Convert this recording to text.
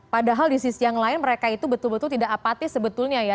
padahal di sisi yang lain mereka itu betul betul tidak apatis sebetulnya ya